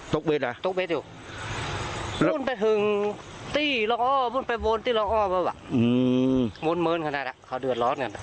ตกเบ็ดไออก่อนตกเบ็ดอยู่